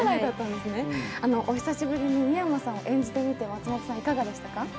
お久しぶりに深山さんを演じてみて、いかがでしたか？